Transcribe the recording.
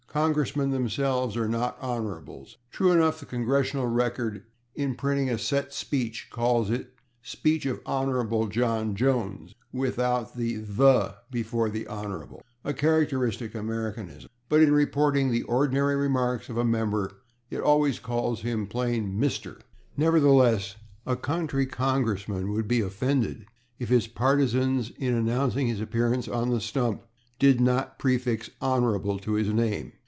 Congressmen themselves are not /Honorables/. True enough, the /Congressional Record/, in printing a set speech, calls it "Speech of /Hon./ John Jones" (without the /the/ before the /Hon./ a characteristic Americanism), but in reporting the ordinary remarks of a member it always calls him plain /Mr./ Nevertheless, a country congressman would be offended if his partisans, in announcing his appearance on the stump, did not prefix /Hon./ to his name.